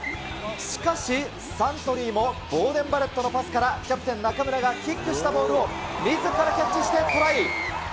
しかし、サントリーもボーデン・バレットのパスからキャプテン、中村がキックしたボールをみずからキャッチしてトライ。